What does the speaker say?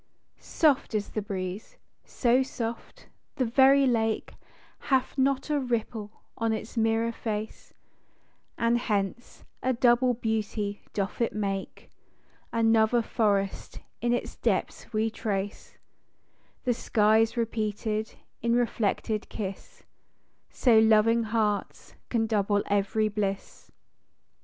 Soft is the breeze ; â so soft â the very lake Hath not a ripple on its mirror face ; And hence, a double beauty doth it make, Another forest in its depths we trace, The sky 's repeated in reflected kiss :â So loving hearts can double ev'ry bliss.